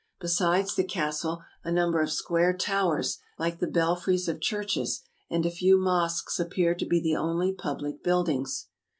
Besides the castle, a number of square towers, like the belfries of churches, and a few mosques appear to be the only public buildings.